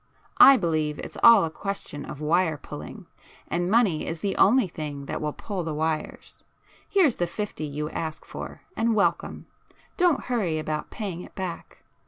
I believe it's all a question of wire pulling, and money is the only thing that will pull the wires. Here's the fifty you ask for and welcome,—don't hurry about paying it back.